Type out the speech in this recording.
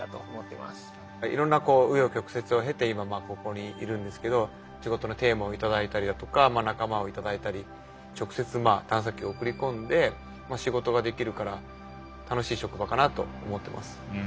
いろんな紆余曲折を経て今ここにいるんですけど仕事のテーマを頂いたりだとか仲間を頂いたり直接探査機を送り込んで仕事ができるから楽しい職場かなと思ってます。